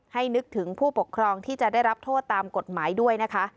นึกถึงผู้ปกครองที่จะได้รับโทษตามกฎหมายด้วยนะคะ